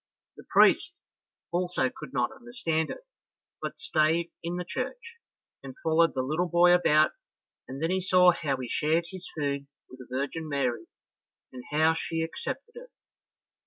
The priest also could not understand it, but stayed in the church, and followed the little boy about, and then he saw how he shared his food with the Virgin Mary, and how she accepted it.